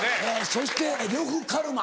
そして呂布カルマ。